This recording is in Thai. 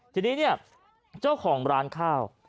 ทีนี้เนี่ยเจ้าของร้านข้าว